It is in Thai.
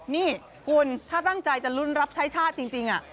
นี่คุณถ้าตั้งใจจะลุ้นรับใช้ชาติจริง